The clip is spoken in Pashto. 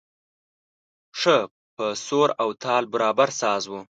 ښه په سور او تال برابر ساز و.